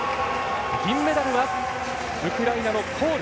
銀メダルはウクライナのコール。